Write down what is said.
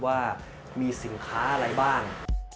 ว่ามีสินค้าอะไรบ้าง